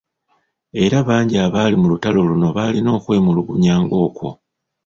Era bangi abaali mu lutuula luno baalina okwemulugunya nga okwo.